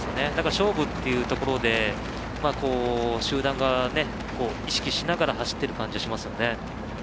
勝負というところで集団、意識しながら走ってる感じはしますよね。